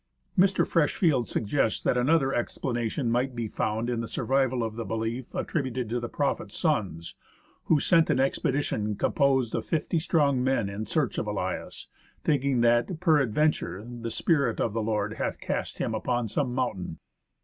Mr. Freshfield suggests that another explanation might be found in the survival of the belief attributed to the prophet's sorts, who sent an expedition composed of fifty strong men in search of Elias, thinking that " peradventure the spirit of the Lord hath cast him upon some mountain."